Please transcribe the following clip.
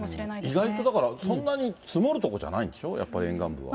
意外とだから、そんなに積もる所じゃないんでしょ、やっぱり沿岸部は。